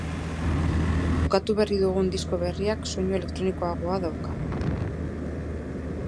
Bukatu berri dugun disko berriak soinu elektronikoagoa dauka.